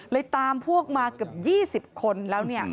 ตามพวกมาเกือบ๒๐คนแล้ว